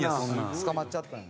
つかまっちゃったんや。